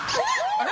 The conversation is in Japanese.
あれ？